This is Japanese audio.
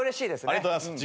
ありがとうございます。